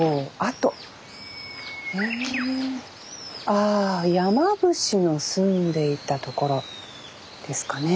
ああ山伏の住んでいた所ですかね。